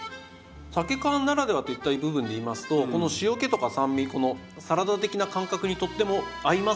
さけ缶ならではといった部分で言いますとこの塩気とか酸味このサラダ的な感覚にとっても合いますよねさけは。